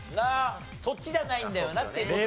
そっちじゃないんだよなっていう事で。